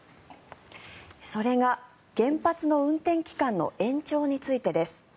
それが原発の運転期間の延長についてです。